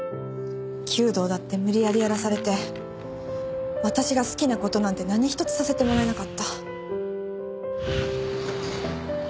弓道だって無理やりやらされて私が好きな事なんて何一つさせてもらえなかった。